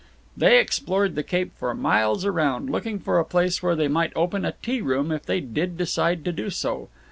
They explored the Cape for miles around, looking for a place where they might open a tea room if they did decide to do so.